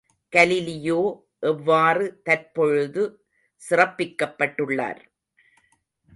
Galileo எவ்வாறு தற்பொழுது சிறப்பிக்கப்பட்டுள்ளார்?